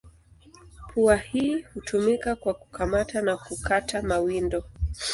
Pua hii hutumika kwa kukamata na kukata mawindo.